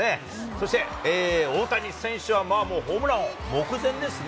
そして大谷選手はホームラン王目前ですね。